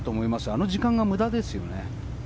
あの時間が無駄ですよね。